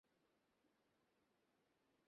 মনে হচ্ছে এই সোপোর তোর নিজ শহর হয়ে গেছে।